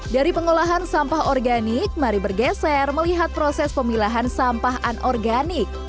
dari pengolahan sampah organik mari bergeser melihat proses pemilahan sampah anorganik